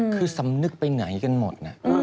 คือสำนึกไปไหนกันหมด